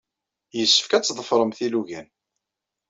Yessefk ad tḍefremt ilugan.